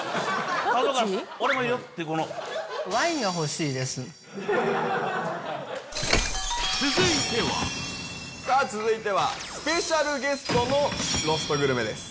「俺もいるよ」ってこの続いてはさあ続いてはスペシャルゲストのロストグルメです